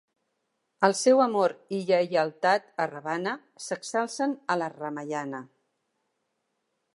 El seu amor i lleialtat a Ravana s'exalcen a la "Ramayana".